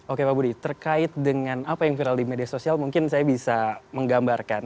oke pak budi terkait dengan apa yang viral di media sosial mungkin saya bisa menggambarkan